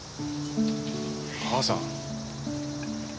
母さん。